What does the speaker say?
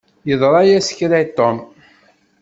Yeḍṛa-yas kra i Tom.